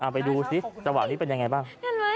ไปดูสิเวลาที่เป็นอย่างไรบ้าง